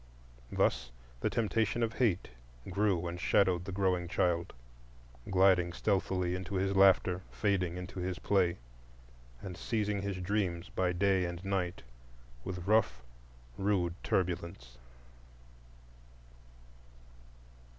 Thus the temptation of Hate grew and shadowed the growing child,—gliding stealthily into his laughter, fading into his play, and seizing his dreams by day and night with rough, rude turbulence.